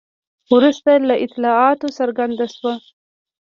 وروسته له اطلاعاتو څرګنده شوه.